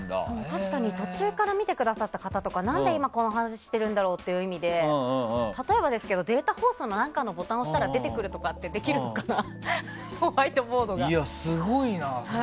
確かに途中から見てくださった方とか何で今この話しているんだろうっていう意味で例えばですけどデータ放送か何かのボタンを押したら出てくるとかってできるのかな。